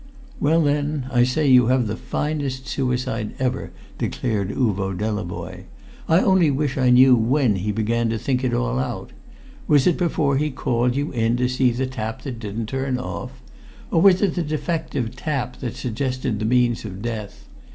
"Well, then I say you have the finest suicide ever!" declared Uvo Delavoye. "I only wish I knew when he began to think it all out. Was it before he called you in to see the tap that didn't turn off? Or was it the defective tap that suggested the means of death?